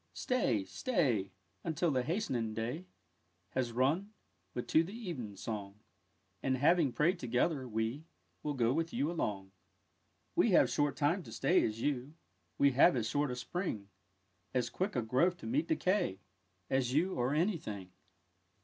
Stay, stay, Until the hasting day Has run But to the even song; And, having pray'd together, we Will go with you along. We have short time to stay, as you, We have as short a Spring; As quick a growth to meet decay As you, or any thing.